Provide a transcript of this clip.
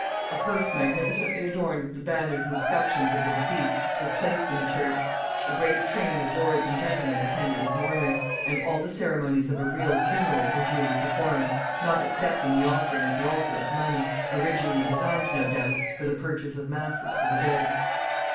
A hearse magnificently adorned with the banners and scutcheons of the deceased was placed in the church; a great train of lords and gentlemen attended as mourners; and all the ceremonies of a real funeral were duly performed, not excepting the offering at the altar of money, originally designed, without doubt, for the purchase of masses for the dead.